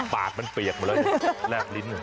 ปากมันเปียกมาแล้วแลกลิ้น